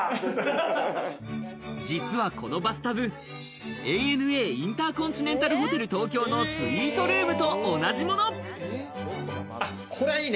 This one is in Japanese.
実はこのバスタブ、ＡＮＡインターコンチネンタルホテル東京のスイートルームと同じこれは、いいね！